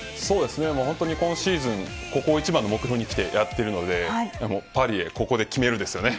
ほんとに今シーズンここ一番の目標にきてやってるのでパリへ、ココで、決めるですよね。